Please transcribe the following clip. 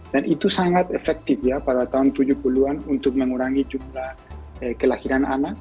dan itu sangat efektif ya pada tahun tujuh puluh an untuk mengurangi jumlah kelahiran anak